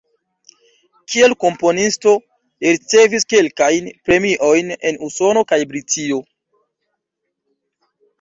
Kiel komponisto, li ricevis kelkajn premiojn en Usono kaj Britio.